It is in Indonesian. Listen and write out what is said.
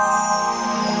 nenek gak bisa tidur ma